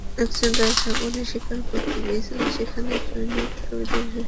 এক রাজা বনে শিকার করিতে গিয়াছিলেন, সেখানে জনৈক সাধুর সহিত সাক্ষাৎ হইল।